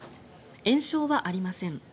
延焼はありません。